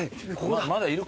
まだいるか？